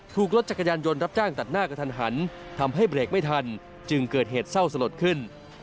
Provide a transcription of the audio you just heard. ถูกรถจักรยานยนต์รับจ้างตัดหน้ากระทันหันทำให้เบรกไม่ทันจึงเกิดเหตุเศร้าสลดขึ้น